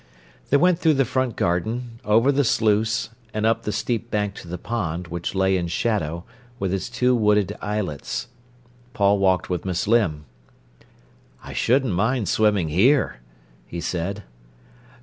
They went through the front garden, over the sluice, and up the steep bank to the pond, which lay in shadow, with its two wooded islets. Paul walked with Miss Limb. "I shouldn't mind swimming here," he said.